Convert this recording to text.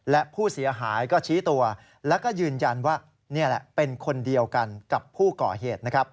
และผู้เสียหายก็ชี้ตัวแล้วก็ยืนยันว่านี่แหละเป็นคนเดียวกันกับผู้ก่อเหตุนะครับ